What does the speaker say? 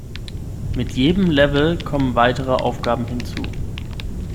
Mit jedem Level kommen weitere Aufgaben hinzu.